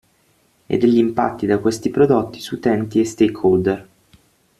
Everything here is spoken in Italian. E degli impatti da questi prodotti su utenti e stakeholder.